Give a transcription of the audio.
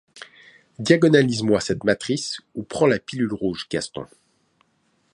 Diagonalise-moi cette matrice, ou prends la pilule rouge, Gaston.